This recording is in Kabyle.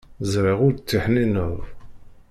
Ẓriɣ ur d-ttiḥnineḍ.